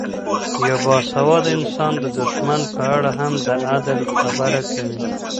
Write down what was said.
یو باسواده انسان د دښمن په اړه هم د عدل خبره کوي.